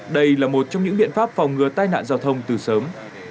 đây là một trong những biện pháp phòng ngừa tai nạn giao thông từ sớm